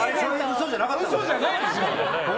嘘じゃないです！